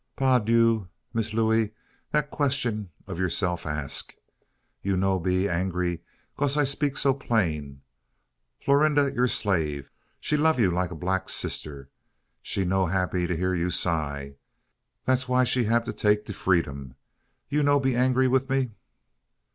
"Pa' dieu, Miss Looey, dat question ob youself ask. You no be angry case I 'peak so plain. Florinda you slave she you lub like brack sisser. She no happy hear you sigh. Dat why she hab take de freedom. You no be angry wif me?"